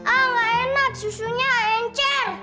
ah gak enak susunya encer